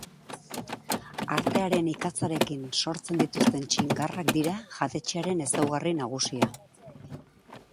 Artearen ikatzarekin sortzen dituzten txingarrak dira jatetxearen ezaugarri nagusia.